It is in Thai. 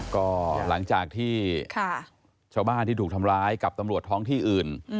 ก็หลังจากที่ชาวบ้านที่ถูกทำร้ายกับตำรวจท้องที่อื่น